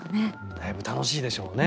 だいぶ楽しいでしょうね。